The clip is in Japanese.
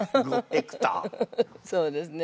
そうですね。